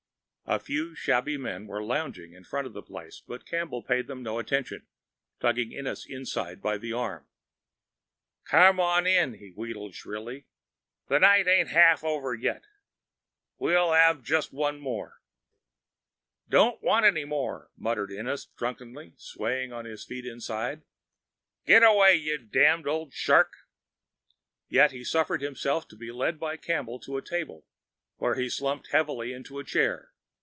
A few shabby men were lounging in front of the place but Campbell paid them no attention, tugging Ennis inside by the arm. "Carm on in!" he wheedled shrilly. "The night ain't 'alf over yet we'll 'ave just one more." "Don't want any more," muttered Ennis drunkenly, swaying on his feet inside. "Get away, you damned old shark." Yet he suffered himself to be led by Campbell to a table, where he slumped heavily into a chair.